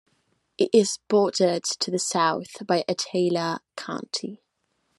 It is bordered to the south by Attala County.